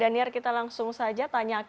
daniar kita langsung saja tanya